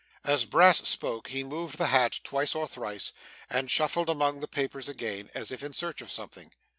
As Brass spoke, he moved the hat twice or thrice, and shuffled among the papers again, as if in search of something.